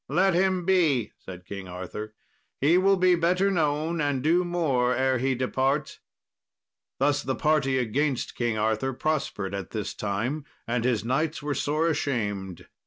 "Let him be," said King Arthur; "he will be better known, and do more ere he depart." Thus the party against King Arthur prospered at this time, and his knights were sore ashamed.